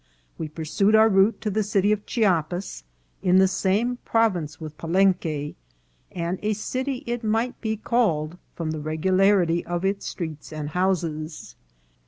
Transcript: " We pursued our route to the city of Chiapas, in the same province with Palenque, and a city it might be called, from the regularity of its streets and houses.